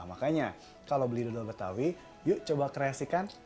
makanya kalau beli dodol betawi yuk coba kreasikan